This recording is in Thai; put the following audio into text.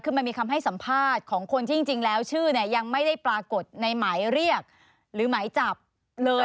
คือมันมีคำให้สัมภาษณ์ของคนที่จริงแล้วชื่อเนี่ยยังไม่ได้ปรากฏในหมายเรียกหรือหมายจับเลย